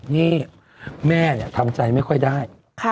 นี่แม่ทำใจไม่ค่อยได้